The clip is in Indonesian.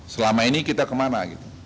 selama ini kita kemana